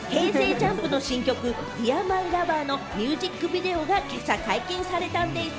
ＪＵＭＰの新曲『ＤＥＡＲＭＹＬＯＶＥＲ』のミュージックビデオが今朝解禁されたんです。